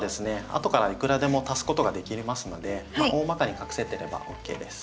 後からいくらでも足すことができますので大まかに隠せてればＯＫです。